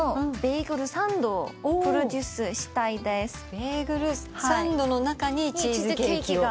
ベーグルサンドの中にチーズケーキを？